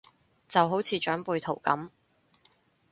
就好似長輩圖咁